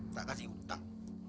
tak kasih hutang